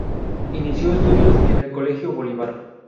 Inicio estudios en el colegio bolivar.